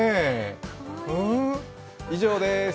以上でーす。